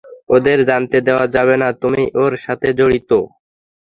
ওদের জানতে দেয়া যাবে না যে, তুমি এর সাথে জড়িত।